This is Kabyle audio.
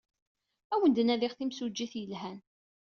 Ad awen-d-nadiɣ timsujjit yelhan.